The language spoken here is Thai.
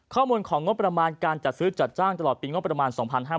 ข้อมูลของงบประมาณการจัดซื้อจัดจ้างตลอดปีงบประมาณ๒๕๕๙